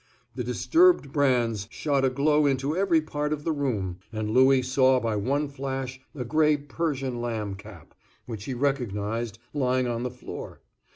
The disturbed brands shot a glow into every part of the room, and Louis saw by one flash a gray Persian lamb cap, which he recognized, lying on the floor.